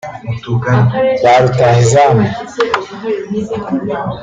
Ba Rutahizamu